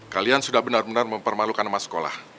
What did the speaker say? kalian sudah benar benar mempermalukan nama sekolah